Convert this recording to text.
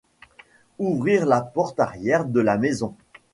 ouvrir la porte arrière de la maison.